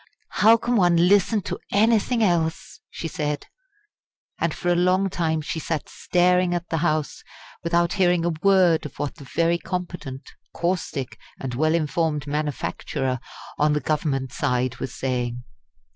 "How can one listen to anything else!" she said; and for a long time she sat staring at the House without hearing a word of what the very competent, caustic, and well informed manufacturer on the Government side was saying.